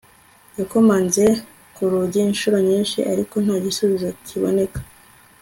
yakomanze ku rugi inshuro nyinshi, ariko nta gisubizo kiboneka